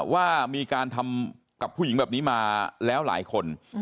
ว่ามีการทำกับผู้หญิงแบบนี้มาแล้วหลายคน